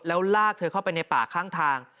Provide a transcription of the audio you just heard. แล้วลากเธอเข้าไปในป่าข้างทาง